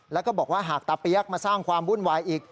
แล้วก็บอกว่าหากตาเปี๊ยกมาสร้างความวุ่นวายอีก